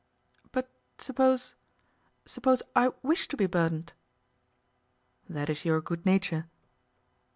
'But suppose suppose I wish to be burdened?' 'That is your good nature.